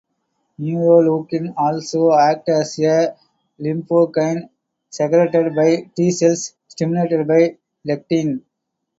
Neuroleukin also acts as a lymphokine secreted by T cells stimulated by lectin.